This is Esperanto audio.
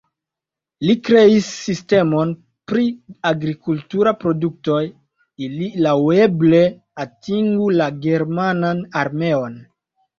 Li kreis sistemon pri agrikulturaj produktoj, ili laŭeble atingu la germanan armeon.